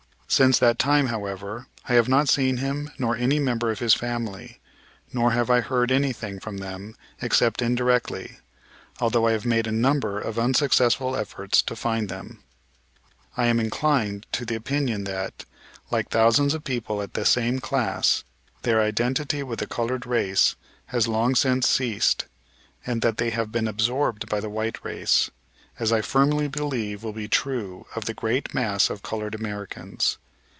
Since that time, however, I have not seen him nor any member of his family, nor have I heard anything from them except indirectly, although I have made a number of unsuccessful efforts to find them. I am inclined to the opinion that, like thousands of people of the same class, their identity with the colored race has long since ceased and that they have been absorbed by the white race, as I firmly believe will be true of the great mass of colored Americans.